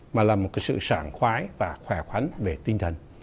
mà là một sự sản khoái và khỏe khoắn về tinh thần